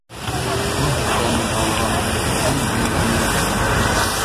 بۇ ھەتتا مەن ئاڭلىغان ئەڭ بىمەنە گەپلەر.